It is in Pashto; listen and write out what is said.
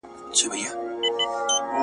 نو پخپله قضاوت کوي.